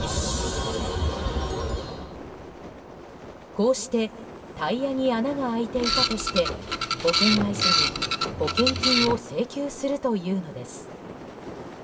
こうしてタイヤに穴が開いていたとして保険会社に保険金を請求するというのです。